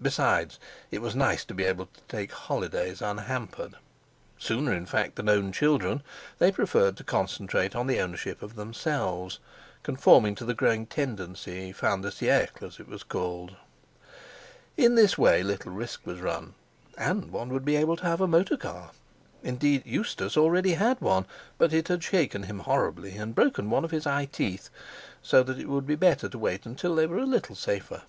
Besides, it was nice to be able to take holidays unhampered. Sooner in fact than own children, they preferred to concentrate on the ownership of themselves, conforming to the growing tendency fin de siècle, as it was called. In this way, little risk was run, and one would be able to have a motor car. Indeed, Eustace already had one, but it had shaken him horribly, and broken one of his eye teeth; so that it would be better to wait till they were a little safer.